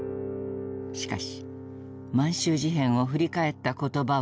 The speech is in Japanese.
しかし満州事変を振り返った言葉はほとんどない。